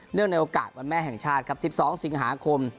ในโอกาสวันแม่แห่งชาติครับ๑๒สิงหาคม